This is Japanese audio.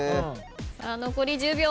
残り１０秒。